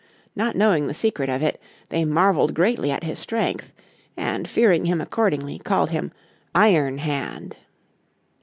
Not knowing the secret of it they marvelled greatly at his strength, and, fearing him accordingly, called him Iron Hand.